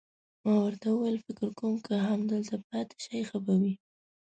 ما ورته وویل: فکر کوم چې که همدلته پاتې شئ، ښه به وي.